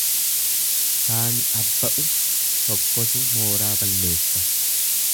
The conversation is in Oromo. Saani abba'u tokkotu mooraa balleessa.